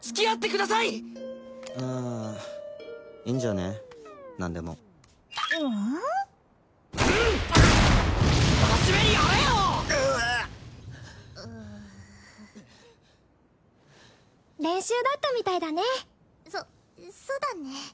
ぐえっうう練習だったみたいだねそそだね